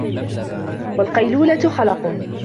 وَالْقَيْلُولَةِ خَلَقٌ